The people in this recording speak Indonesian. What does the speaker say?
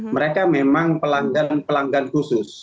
mereka memang pelanggan pelanggan khusus